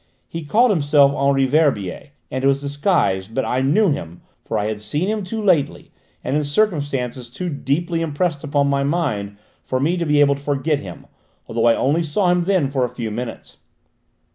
He called himself Henri Verbier, and was disguised, but I knew him, for I had seen him too lately, and in circumstances too deeply impressed upon my mind for me to be able to forget him, although I only saw him then for a few minutes."